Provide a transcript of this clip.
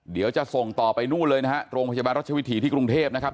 เดี๋ยวจะส่งต่อไปนู่นเลยนะฮะโรงพยาบาลรัชวิถีที่กรุงเทพนะครับ